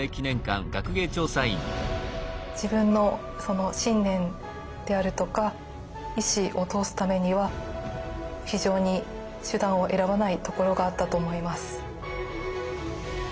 自分の信念であるとか意志を通すためには非常に手段を選ばないところがあったと思います。